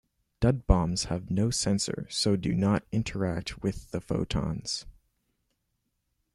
Dud bombs have no sensor, so do not interact with the photons.